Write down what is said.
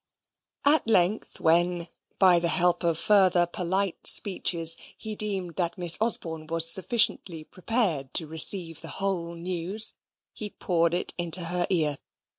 At length when, by the help of farther polite speeches, he deemed that Miss Osborne was sufficiently prepared to receive the whole news, he poured it into her ear.